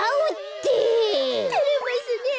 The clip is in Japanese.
てれますねえ。